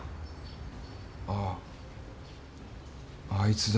あぁあいつだ。